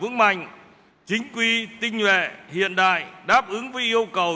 vững mạnh chính quy tinh nhuệ hiện đại đáp ứng với yêu cầu